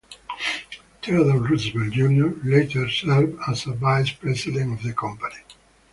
Theodore Roosevelt, Junior later served as a vice-president of the company.